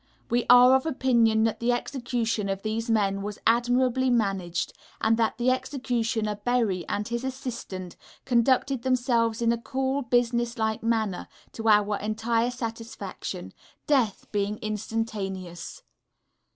We are of opinion that the Execution of these men was admirably managed; and that the Executioner Berry and his Assistant conducted themselves in a cool, business like manner, to our entire satisfaction; death being instantaneous.